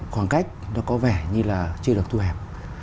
khoảng cách nó có vẻ như là chưa được thu hẹp